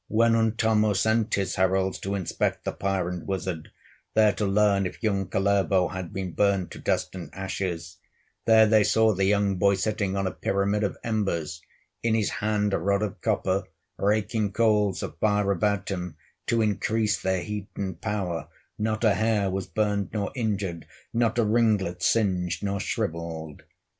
When Untamo sent his heralds To inspect the pyre and wizard, There to learn if young Kullervo Had been burned to dust and ashes, There they saw the young boy sitting On a pyramid of embers, In his hand a rod of copper, Raking coals of fire about him, To increase their heat and power; Not a hair was burned nor injured, Not a ringlet singed nor shrivelled.